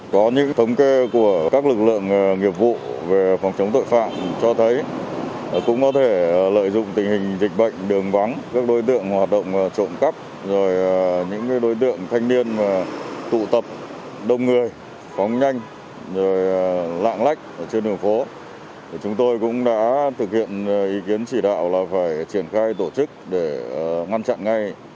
chúng tôi cũng đã thực hiện ý kiến chỉ đạo là phải triển khai tổ chức để ngăn chặn ngay